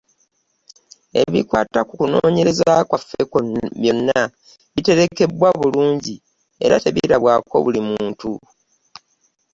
Ebikwata ku kunoonyereza kwaffe byonna biterekebwa bulungi era tebirabwako buli muntu.